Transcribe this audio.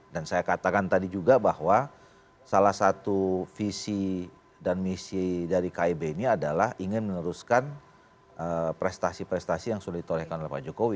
dan saya katakan tadi juga bahwa salah satu visi dan misi dari kib ini adalah ingin meneruskan prestasi prestasi yang sudah ditorehkan oleh pak jokowi